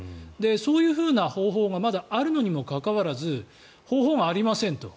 そういうふうな方法がまだあるのにもかかわらず方法がありませんと。